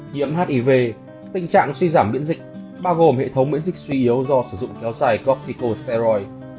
nhiễm hiv tình trạng suy giảm miễn dịch bao gồm hệ thống miễn dịch suy yếu do sử dụng kéo dài copico steroid